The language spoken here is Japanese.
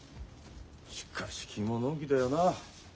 しかし君ものんきだよな。